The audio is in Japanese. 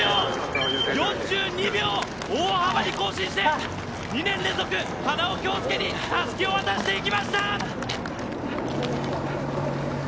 ４２秒、大幅に更新して２年連続、花尾恭輔にたすきを渡していきました！